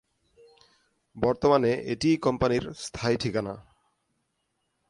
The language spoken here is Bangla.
বর্তমানে এটিই কোম্পানির স্থায়ী ঠিকানা।